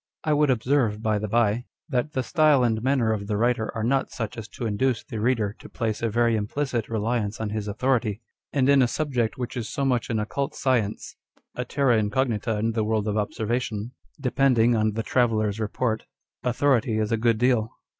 I would observe, by the bye, that the style and manner of the writer are not such as to induce the reader to place a very implicit reliance on his authority ; and in a subject which is so much an occult science, a terra incognita in the world of observation, depending on the traveller's report, authority is a good deal.